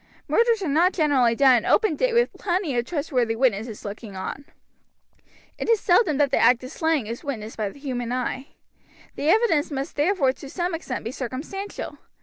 Murders are not generally done in open day with plenty of trustworthy witnesses looking on. It is seldom that the act of slaying is witnessed by human eye. The evidence must therefore to some extent be circumstantial.